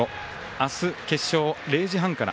明日、決勝０時半から。